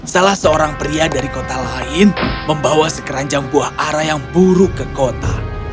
salah seorang pria dari kota lain membawa sekeranjang buah arah yang buruk ke kota